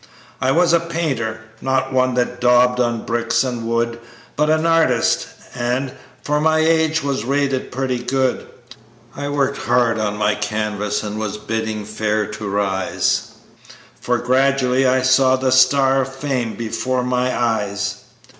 "I was a painter not one that daubed on bricks and wood, But an artist, and for my age, was rated pretty good. I worked hard at my canvas, and was bidding fair to rise, For gradually I saw the star of fame before my eyes.